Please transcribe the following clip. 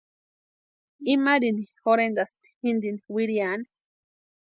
Imarini jorhentʼasti jintini wiriani.